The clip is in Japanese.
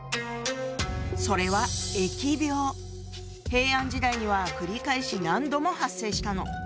それは平安時代には繰り返し何度も発生したの。